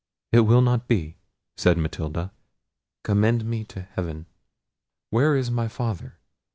"It will not be," said Matilda; "commend me to heaven—Where is my father?